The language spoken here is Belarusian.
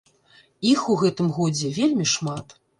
Іх у гэтым годзе вельмі шмат!